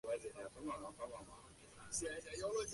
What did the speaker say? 科莱迪马奇内是意大利阿布鲁佐大区基耶蒂省的一个镇。